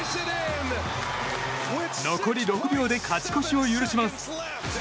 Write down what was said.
残り６秒で勝ち越しを許します。